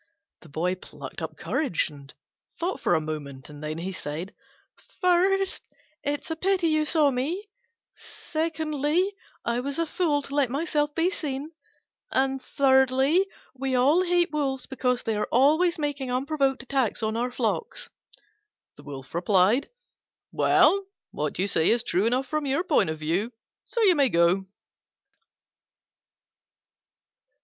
The Boy plucked up courage and thought for a moment, and then he said, "First, it is a pity you saw me; secondly, I was a fool to let myself be seen; and thirdly, we all hate wolves because they are always making unprovoked attacks upon our flocks." The Wolf replied, "Well, what you say is true enough from your point of view; so you may go."